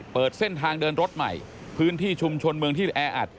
เปิดเส้นทางเดินรถใหม่พื้นที่ชุมชนเมืองที่แออัด